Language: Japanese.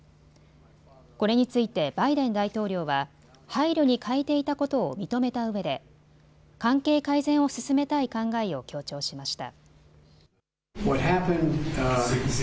これについてバイデン大統領は配慮に欠いていたことを認めたうえで関係改善を進めたい考えを強調しました。